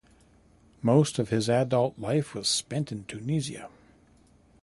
Most of his adult life was spent in Tunisia.